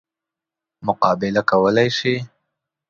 مقابله کولای شي.